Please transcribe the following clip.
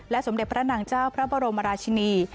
สมเด็จพระนางเจ้าพระบรมราชินี